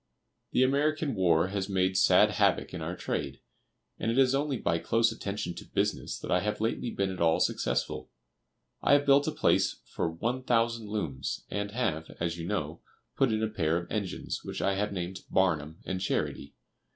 The American war has made sad havoc in our trade, and it is only by close attention to business that I have lately been at all successful. I have built a place for one thousand looms, and have, as you know, put in a pair of engines, which I have named "Barnum" and "Charity."